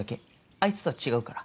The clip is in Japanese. あいつとは違うから。